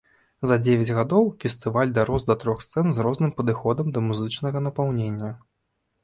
За дзевяць гадоў фестываль дарос да трох сцэн з розным падыходам да музычнага напаўнення.